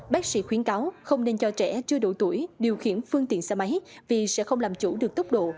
bác sĩ khuyến cáo không nên cho trẻ chưa đủ tuổi điều khiển phương tiện xe máy vì sẽ không làm chủ được tốc độ